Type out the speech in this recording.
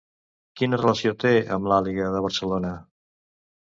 Quina relació té amb l'Àliga de Barcelona?